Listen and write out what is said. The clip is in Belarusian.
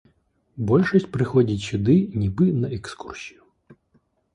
Большасць прыходзіць сюды нібы на экскурсію.